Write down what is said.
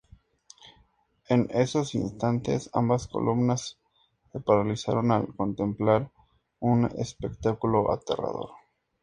En esos instantes, ambas columnas se paralizaron al contemplar un espectáculo aterrador.